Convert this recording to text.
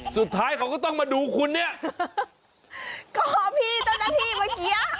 สุดท้ายเขาก็ต้องมาดูคุณเนี่ยก็พี่เจ้าหน้าที่เมื่อกี้